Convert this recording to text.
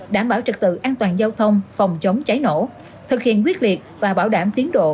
đảm bảo trật tự an toàn giao thông phòng chống cháy nổ thực hiện quyết liệt và bảo đảm tiến độ